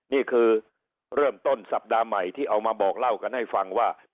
นี่คือเริ่มต้นสัปดาห์ใหม่ที่เอามาบอกเล่ากันให้ฟังว่า